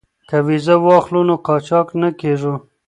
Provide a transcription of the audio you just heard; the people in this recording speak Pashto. که ویزه واخلو نو قاچاق نه کیږو.